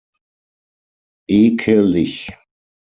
Ekelig!